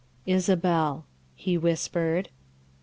" Isabel," he whispered.